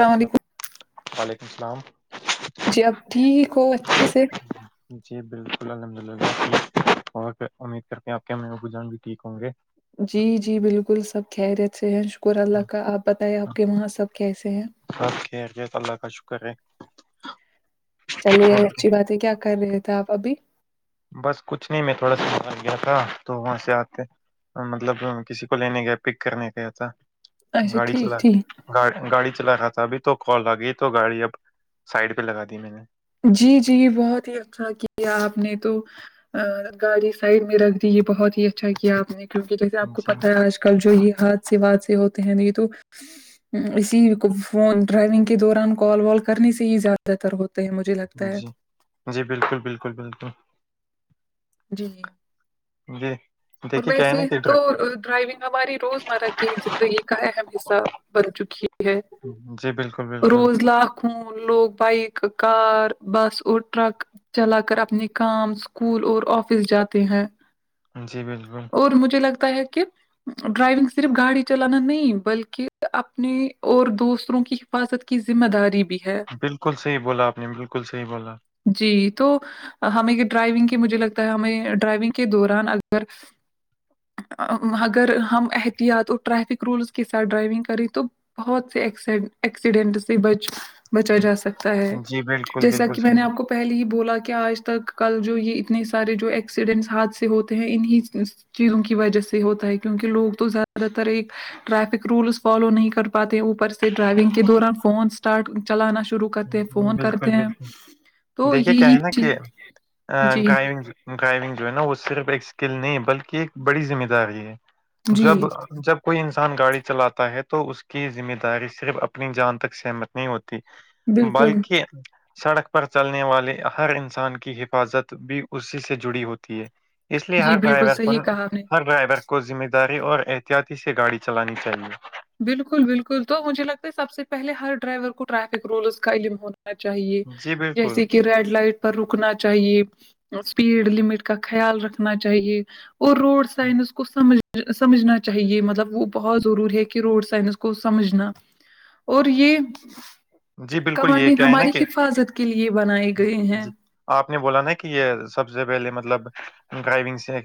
السلام و ععلیکم السلام جی اب ٹھیک ہو اچھے سے جی بالکل الحمدلہ اور امید کرتے آ میں ابو جان بھی ٹھیک ہوں گے جی جی بالکل سب خریت سے ہیں شکر اللہ کا آپ بتائے آپ کے وہاں سب کیسے ہیں سب خیریت اللہ کا شکر ہے چلیے اور اچھی بات ہے کیا کر رہے تھے آپ ابھی بس کچھ نہیں میں تھوڑا سا بر گیا تھا تو وہاں سے آتے مطلب کسی کو لینے گیا پک کرنے گیا تھا اچھا گاڑی ٹھیک چلا ٹھیک گڑ گاڑی چلا رہا تھا ابھی تو کال آ گئی تو گاڑی اب سائڈ پہ لگا دی میں نے جی جی بہت ہی اچھا کیا آپ نے تو گاڑی سائڈ میں رکھ دی ہے بہت ہی اچھا کیا آپ نے کیونکہ جیسے آپ کو جی پتہ آج کل کل جو یہ ہاد سے واد سے ہوتے ہیں نہ یہ تو اسی فون ڈرائیونگ کے دوران کال وال کرنے سے ہی زیادہ بہتر ہوتے ہیں مجھے لگتا ہے جی جی بالکل بالکل بالکل جی جی جی اور دیکھیے کیا ہے ویسے نا کہ تو ڈر- ڈرائیونگ ہماری روزمرہ کی زندگی کا اہم حصہ بن چکی ہے جی بالکل بالکل ون لوگ بائک کار بس اور ٹرک چلا کر اپنے کام اسکول اور آفس جاتے ہیں جی بالکل اور مجھے لگتا ہے کہ ڈرائیونگ صرف گاڑی چلانا نہیں بلکہ اپنے اور دوسروں کی حفاظت کی ذمہ داری بھی ہے بالکل صحیح بولا آپ نے بالکل صحیح بولا جی تو ہمیں ڈرائیونگ کے مجھے لگتا ہے ہمیں ڈرائیونگ کے دوران اگر اور اگر ہم احتیاط اور ٹریفک رولس کے ساتھ ڈرائیونگ کریں تو بہت سے ایسیڈینٹ سے ب بچا جا سکتا ہے جی، بالکل، جیسا بالکل کہ میں صحیح نے آپ کو پہلے ہی بولا کہ آج تک کل جو یہ اتنے سارے جو ایکسیڈنٹس ہاتھ سے ہوتے ہیں انہیں چیزوں کی وجہ سے ہوتا ہے کیونکہ لوگ تو زیادہ تر ایک ٹریفک رولس فالو نہیں کر پاتے اوپر سے ڈرائیونگ کے دوران فونس اسٹارٹ چلانا شروع کرتے ہیں فون کرتے بالکل، ہیں بالکل۔ تو یہی چیز ہ گائینس [unintelligible] ڈرائیونگ جو ہے نا وہ صرف ایک اسکل نہیں ہے بلکہ ایک بڑی ذمہ داری ہے جی جب جب کوئی انسان گاڑی چلاتا ہے تو اس کی ذمہ داری صرف اپنی جان تک سہمت نہیں ہوتی بالکل بلکہ سڑک پر چلنے والے ہر انسان کی حفاظت بھی اسی سے جڑی ہوتی ہے اس لیے جی ہر بالکل ڈرائیور کو صحیح کہا آپ نے ہر ڈرائیور کو ذمہ داری اور احتیاطی سے گاڑی چلانی چاہیے بالکل بالکل تو مجھے لگتا ہے سب سے پہلے ہر ڈرائیور کو ٹریفک رولز کا علم ہونا چاہیے جی، بالکل۔ جیسے کہ ریڈ لائٹ پر رکنا چاہیے اسپیڈ لمٹ کا خیال رکھنا چاہیے اور روڈ سائنس کو سمجھ سمجھنا چاہیے مطلب وہ بہت ضروری ہے کہ روڈ سائنس کو سمجھنا اور یہ جی بالکل یہ قوانین کیا ہے نا ہماری کہ حفاظت کے لیے بنائی گئے ہیں جی آپ نے بولا نا کہ یہ سب سے پہلے مطلب ڈرائیونگ سے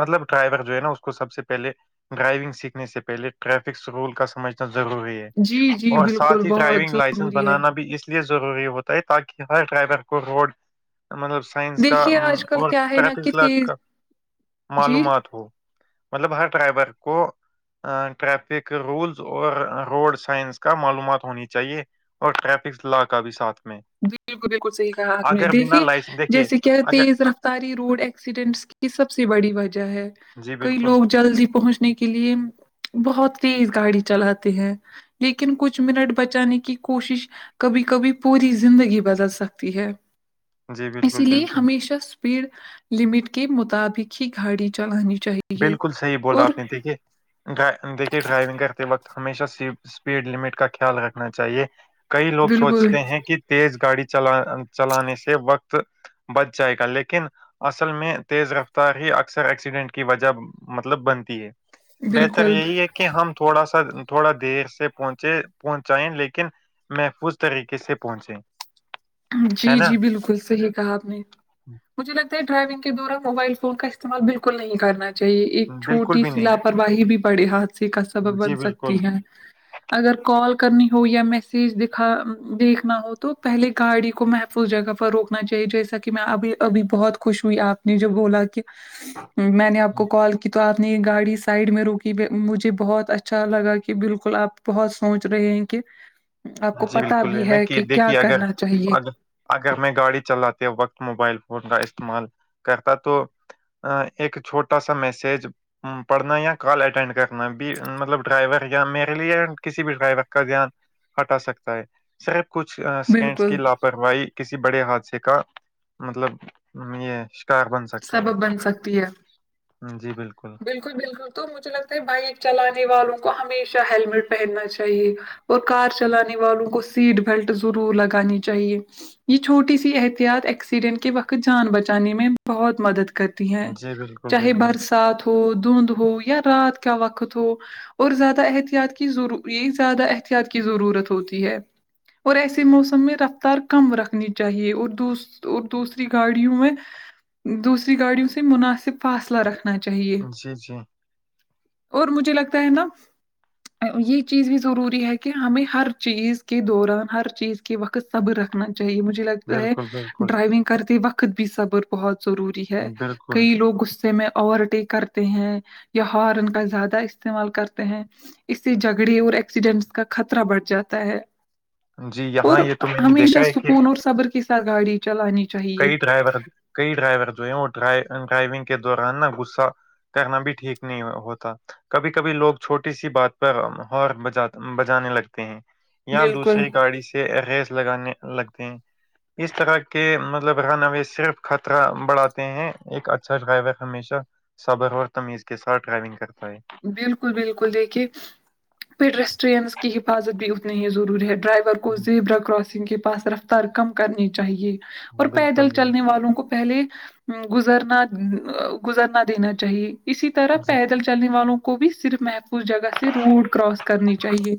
مطلب ڈرائیور جو ہے نا اس کو سب سے پہلے ڈرائیونگ سیکھنے سے پہلے ٹریفک رول کا سمجھنا ضروری ہے جی جی بالکل بہت ضروری ہے ب اس لیے ضروری ہوتا تاکہ ہر ڈرائیور کو روڈ مطلب سائنس کا دیکھیے آج کل کیا ہے نا کہ تینتیس تیز لاکھ جی معلومات ہو مطلب ہر ڈرائیبور کو ٹریفک رولز اور روڈ سائنس کا معلومات ہونی چاہیے اور ٹریفک لا کا بھی ساتھ میں بالکل بالکل صحیح کہا آپ نے اگر بنا دیکھیے لائسنس دیکھیے جیسے اگر کہتے ذرا ساری روڈ ایکسیڈینٹس کی سب سے بڑی وجہ ہے جی کئی بالکل لوگ جلدی پہنچ نے کے لیے بہت تیز گاڑی چلاتے ہیں لیکن کچھ منٹ بچانے کی کوشش کبھی کبھی پوری زندگی بدل سکتی ہے جی اسی بالکل لیے بالکل ہمیشہ اسپیڈ لمٹ کے مطابق ہی گاڑی چلانی چاہیے بالکل صحیح بول رہا اور آپ نے دیکھیے دیکھیے ڈرائیونگ کرتے وقت ہمیشہ اسپیڈ لمٹ کا خیال رکھنا چاہیے کئی لوگ بالکل سوچتے ہیں کہ تیز گاڑی چ چلانے سے وقت بچ جائے گا لیکن اصل میں تیز رفتار ہی اکثر ایکسیڈنٹ کے کی وجہ مطلب بنتی ہے بہتر بالکل یہی ہے کہ کہ ہم تھوڑا سا تھوڑا دیر سے پہنچے پہنچائیں لیکن محفوظ طریقے سے پہنچے جی ہے نا جی بالکل صحیح کہا آپ نے مجھے لگتا ہے ڈرائیونگ کے دوران موبائل فون کا استعمالکل نہیں کرنا چاہے ایک بالکل چھوٹی بھی سی نہیں لاپرواہی بھی بڑے حادثے کا سبب جی بن بالکل سکتی ہے اگر کال کرنی ہو یا میسج دکھا دیکھنا ہو تو پہلے گاڑی کو محفوظ جگہ پر روکنا چاہیے جیسا کہ میں ابھی ابھی بہت خوش ہوئی آپ نے جوب بولا کہ میں نے آپ کو کال کیا کہ تو آپ نے یہ گاڑی سائڈ میں روکی مجھے بہت اچھا لگا کہ بالکل آپ بہت سوچ رہے ہیں کہ آپ کو پتا بھی ہے کہ کیا کرنا چاہیے ا اگر میں گاڑی چلاتے وقت موبائل فون کا استعمال کرتا تو ا ایک چھوٹا سا میسج پڑھنا یا کال اٹینڈ کرنا بھی مطلب ڈرائیور یا میرے لیے کسی بھی ڈرائیور کا دھیان ہٹا سکتا ہے سرف کچھ سیکینڈس کی بالکل لاپرواہی کسی بڑے حادثے کا مطلب یہ کار بن سکتا سبب بن سکتی ہے جی بالکل بالکل بالکل تو مجھے لگتا ہے بائک چلانے والوں کو ہمیشہ ہیلمٹ پہننا چاہیے اور کار چلانے والوں کو سیٹ بیلٹ ضرور لگانی چاہیے یہ چھوٹی سی احتیاط ایکسیڈنٹ کے وقت جان بچانے میں بہت مدد کرتی ہیں جی بالکل چاہے بالکل برسات ہو دھند ہو یا رات کا وقت ہو اور زیادہ احتیاط کیضرور یہ زیادہ احتیاط کی ضرورت ہوتی ہے اور ایسے موسم میں رفتار کم رکھنی چاہیے اور دوس اور دوسری گاڑیوں میں دوسری گاڑیوں سے مناسب فاصلہ رکھ چاہیے جی جی اور مجھے لگتا ہے نا یہ چیز بھی ضروری ہے کہ ہمیں ہر چیز کے دوران ہر چیز کے وقت صبر رنا چاہیے مجھے لگتا ہے بالکل بالکل ڈرائیونگ کرتے وقت بھی صبر بہت ضروری ہے بالکل کئی لوگ غصے میں اوور ٹیک کرتے ہیں یا ہارن کا زیادہ استعمال کرتے ہیں اس سے جھگڑے اور ایکسیڈنٹس کا خطرہ بڑھ جاتا ہے جی اور یہاں یہ تو میں نے دیکھا ہمیشہ ہے کہ سکون اور صبر کے ساتھ گاڑی چلانی چاہیے کئی ڈرائیور کئی ڈرائیور جو ہے وہ ڈرائیونگ کے دوران نا گصہ کہنا بھی ٹھیک نہیں ہوتا کبھی کبھی لوگ چھوٹی سی بات پر ہار بجا بجانے لگتے ہیں یا بالکل دوسری گاڑی سے ریز لگانے لگتے ہیں اس طرح کے مطلبانا صرف خطرہ بڑھاتے ہیں ایک اچھا غب ہے ہمیشہ صبر اور تمیز کے ساتھ ڈرائیونگ کرتا ہے بالکل بالکل دیکھیے پھر ریسٹورینس کی حفاظت بھی اتنی ہی ضروری ہے ڈرائیور کو جی زیبرا کراسنگ کے پاس رفتار کم کرنی چاہیے اور بالکل پیدل چلنے بالکل والوں کو پہلے گزرنا گزرنا دینا چاہیے اسی طرح جی پیدل چلنے والوں کو بھی صرف محفوظ جگہ سے روڈ کراس کرنی چاہیے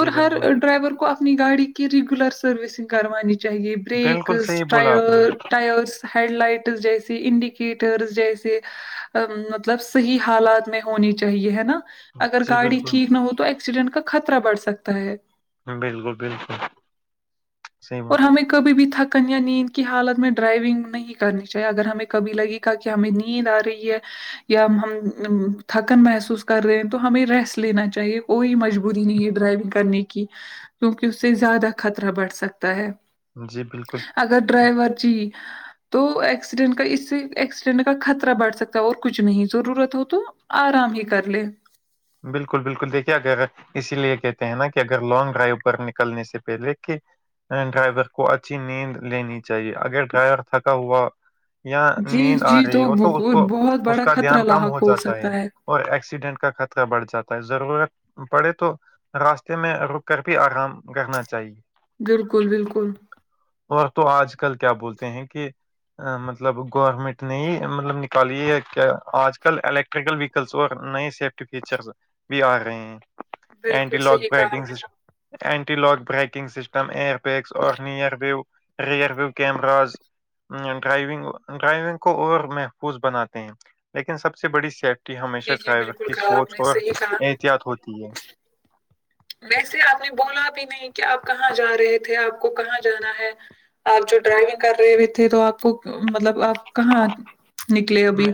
اور ہر بالکل ڈرائیور کو اپنی گاڑی کی ریگولر سروسنگ کروانی چاہی چاہیے بریک بالکل صحیح ٹ بولا آپ نے ٹائرس ہیڈ لائٹس جیسے انڈیکیٹرس جیسے ا مطلب صحیح حالات میں ہونی چاہیے ہے نا اگر جی گاڑی بالکل ٹھیک نہ ہو تو ایکسیڈنٹ کا خطرہ بڑھ سکتا ہے بالکل بالکل سی اور ہمیں کبھی بھی تھکن یا نیند کی حالت میں ڈرائیونگ نہیں کرنی چاہیے اگر ہمیں کبھی لگے کہ ہمیں نیند آ رہی ہے یا ہم تھکن محسوس کر رہے ہیں تو ہمیں ریسٹ لینا چاہیے کوئی مجبوری نہیں ہے ڈرائیونگ کرنے کی کیونکہ اس سے زیادہ خطرہ بڑھ سکتا ہے جی بالکل اگر ڈرائیور جی تو ایکسیڈینٹ کا اس سے ایکسیڈنٹ کا خطرہ بڑھ سکتا ہے اور کچھ نہیں ضرورت ہو تو آرام ہی کر لے بالکل بالکل دیکھ کیا کہ راہ ہے اسی لیے کہتے ہیں نا کہ اگر لانگ ڈرائیو پر نکلنے سے پہلے کہ اینڈ ڈرائیور کو اچھی نیند لینی چاہیے اگر ڈرائیور تھکا ہوا یا جی نیند آ جی رہی ہو وہ تو اس کوئی کو بہت اس بڑا کا دھیان خطرہ کم ہو لاحق جاتا ہے سکتا اور ایکسیڈنٹ کا خطہ را بڑھ جاتا ہے ضرورت پڑے تو راستے میں رک کر بھی ارام کرنا چاہیے بالکل بالکل اور تو آج کل کیا بولتے ہیں کہ ای مطلب گورمنٹ نے مطلب نکالی ہے کیا آج کل ال ٹریکل ویکلس اور نئے سیفٹی فیچرس بھی آ رہے ہیں اینٹی بالکل لاک صحیح کہا پیکنگ آپ system anti lock braking system ایر پیکس اور نر ویو رئر ویو کییمراز نیم ڈرائیونگ ڈرائیونگ کو اور محفوظ بناتے ہیں لیکن سب سے بڑی سیف ٹی نے جی ہمیشہ جی بالکل کی کہا آپ سوچ نے اور صحیح کہا احتیاط ہوتی ہے [inaudible] ویسے آپ نے بولا بھی نہیں کہ آپ کہاں جا رہے تھے آپ کو کہاں جانا ہے آپ جو ڈرائیونگ کر رہے ہوئے تھے تو آپ کو مطلب آپ کہاں نکلے ابھی میں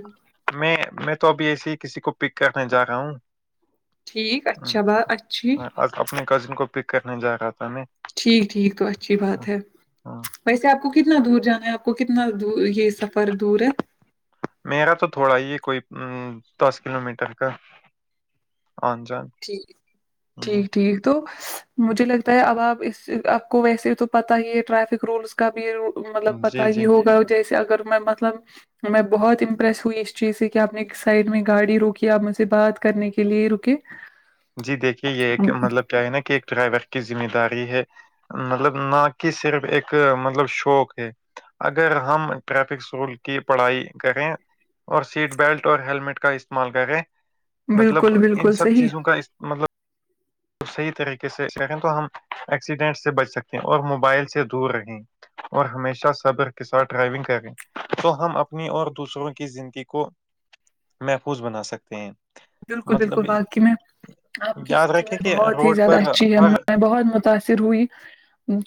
میں میں تو ابھی ایسے ہی کسی کو پک کرنے جا رہا ہوں ٹھیک اچھا بات اچھی ہ اپنے کزن کو پک کرنے جا رہا تھا میں ٹھیک ٹھیک تو اچھی بات ہے ہاں ویسے آپ کو کتنا دور جانا ہے آپ کو کتنا دو یہ سفر دور ہے میرا تو تھوڑا ہی ہے کوئی دس کلو میٹر کا آن جان ٹھیک جی ٹھیک ٹھیک تو مجھے لگتا ہے اب آپ آپ کو ویسے تو پتا ہی ہے ٹریفک رولس کا بھی مطلب پتا جی جی ہی ہوگا جیسے اگر میں مطلب میں بہت امپریس ہوئی اس چیز سے کہ آپ نے سائڈ میں گاڑی روکی آپ مجھ سے بات کرنے کے لیے رکے جی دیکھیے یہ ایک مطلب کیا ہے نا کہ ایک ڈرائیور کی ذمہ داری ہے مطلب نہ کہ صرف ایک مطلب شوق ہے اگر ہم ٹریفکس رول کی پڑھائی کریں اور سیٹ بیلٹ اور ہیلمیٹ کا استعمال کریں مطلب بالکل ان بالکل سب صحیح چیزوں کا مطلب تو صحیح طریقے سیکنڈ تو ہم ایکسیڈینٹ سے بچ سکتے ہیں اور موبائل سے دور رہیں اور ہمیشہ صبر کے ساتھ ڈرائیونگ کریں تو ہم اپنی اور دوسروں کی زندگی کو محفوظ بنا سکتے ہیں بالکل بالکل مطلب واقعی میں آپ کی یاد رکھے سمجھ کہ بہت ہی روڈ زیادہ پر اچھی ہے آب ہر میں بہت متاثر ہوئی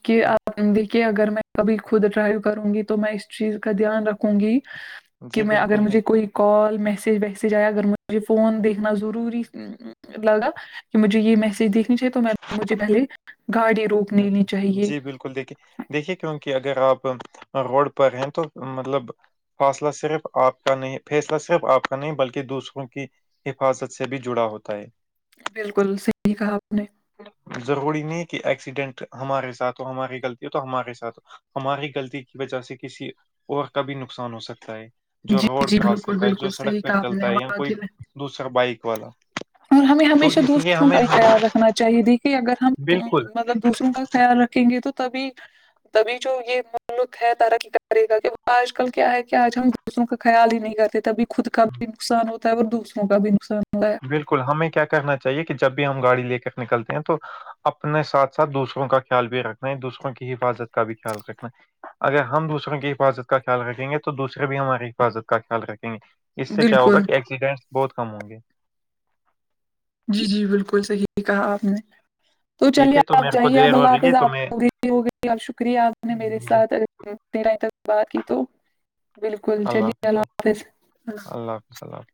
کہ آپ دیکھیے اگر میں کبھی خود ڈرائیو کروں گی تو میں اس چیز کا دھیان رکھوں گی کہ جی میں اگر بالکل مجھے نہیں کوئی کال میسج ویسیج آیا اگر مجھے فون دیکھنا ضروری لگا کہ مجھے یہ میسج دیکھنی چاہیے تو میں مجھے پہلے گاڑی روک لینی چاہیے جی بالکل دیکھیے دیکھیے کیونکہ اگر آپ روڈ پر ہیں تو مطلب فاصلہ صرف آپ کا نہیں فیصلہ صرف آپ کا نہیں بلکہ دوسروں کی حفاظت سے بھی جڑا ہوتا ہے بالکل صحیح کہا آپ نے ضروری نہیں کہ ایکسیڈنٹ ہمارے ساتھ ہو ہماری غلطی ہو تو ہمارے ساتھ ہو ہماری غلطی کی وجہ سے کسی اور کا بھی نقصان ہو سکتا ہے جو جی روڈ جی کراس بالکل کرتا ہے جو بالکل صحیح سڑک پہ کہا آپ چلتا نے ہے یا کوئی واقعی میں دوسرا بائک والا اور ہمیں تو ہمیشہ اس لیے دوسروں کا ہمیں بھی خیال رکھنا چاہیے دیکھیے اگر ہم کو بالکل مطلب دوسروں کا خیال رکھیں گے تو تبھی تبھی جو یہ ملک ہے ترقی کرے گا کہ آج کل کیا ہے کہ آج ہم دوسروں کا خیال ہی نہیں کرتے تبھی خود کا بھی نقصان ہوتا ہے اور دوسروں کا بھی نقصان ہوتا ہے بالکل ہمیں کیا کرنا چاہیے کہ جب بھی ہم گاڑی لے کر نکلتے ہیں تو اپنے ساتھ ساتھ دوسروں کا خیال بھی رکھنا ہے دوسروں کی حفاظت کا بھی خیال رکھنا اگر ہم دوسروں کی حفاظت کا خیال رکھیں گے تو دوسرے بھی ہماری حفاظت کا خیال رکھیں گے اس ہے سے کیا ہوگا بالکل کہ ایکسیڈنٹس بہت کم ہوں گے جی جی بالکل صحیح کہا آپ نے تو ٹھیک چلیے ہے تو آپ میرے کو جائیے دیر اب اللہ ہو رہی حافظ ہے تو آپ میں پوری ہو گئی اور شکریہ آپ نے میرے جی ساتھ بات کی تو بالکل چلیے اللہ حافظ ل [unintelligible] [inaudible]